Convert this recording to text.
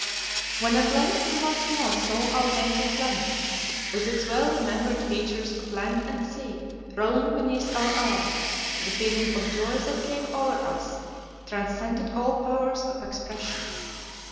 When at length we once more saw our native planet, with its well remembered features of land and sea, rolling beneath our eyes, the feeling of joy that came over us transcended all powers of expression.